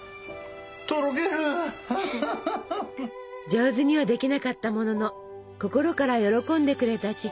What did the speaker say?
上手にはできなかったものの心から喜んでくれた父。